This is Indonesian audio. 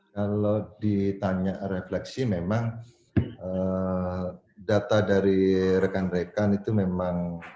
kalau ditanya refleksi memang data dari rekan rekan itu memang